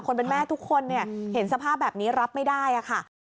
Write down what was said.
คนเป็นแม่ทุกคนเนี่ยเห็นสภาพแบบนี้รับไม่ได้ค่ะ